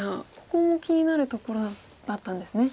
ここも気になるところだったんですね。